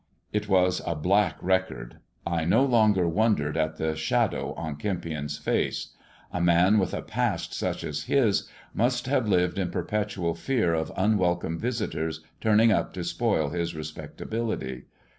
It was a black record. I no longer wondered at the shadow on Kempion'a face. A man with a past such as hie must have lived in perpetual fear of unwelcome visitors turning up to spoil hia respectability.